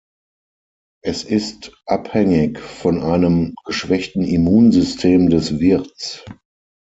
Es ist abhängig von einem geschwächten Immunsystem des Wirts.